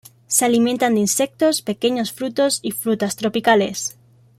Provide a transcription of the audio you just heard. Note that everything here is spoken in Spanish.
Se alimentan de insectos, pequeños frutos, y frutas tropicales.